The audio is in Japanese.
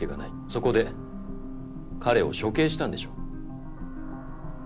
そこで彼を処刑したんでしょ？